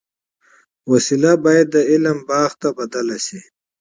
وسله باید د علم بڼ ته بدله شي